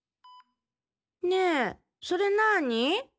ねえそれなあに？